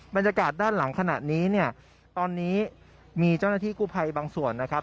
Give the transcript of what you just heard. บรรยากาศด้านหลังขณะนี้เนี่ยตอนนี้มีเจ้าหน้าที่กู้ภัยบางส่วนนะครับ